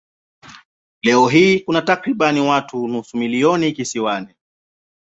Leo hii kuna takriban watu nusu milioni kisiwani.